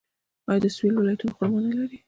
آیا د سویل ولایتونه خرما نلري؟